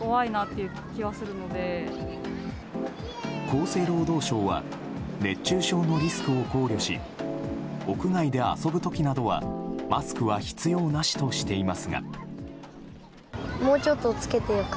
厚生労働省は熱中症のリスクを考慮し屋外で遊ぶ時などはマスクは必要なしとしていますが。